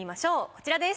こちらです。